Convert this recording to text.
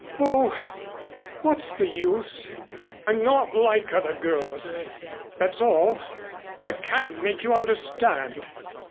"Oh, what's the use? I'm not like other girls that's all. I can't make you understand."